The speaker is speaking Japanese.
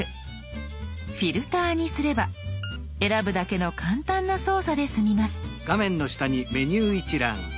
「フィルター」にすれば選ぶだけの簡単な操作で済みます。